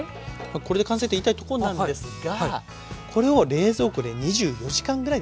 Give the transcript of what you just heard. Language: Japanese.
これで完成って言いたいとこなんですがこれを冷蔵庫で２４時間ぐらいですね